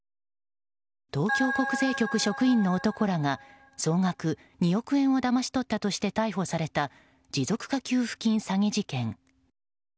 東京国税局の男らが総額２億円をだまし取ったとして逮捕された持続化給付金詐欺事件。